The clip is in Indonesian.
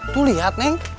tuh liat neng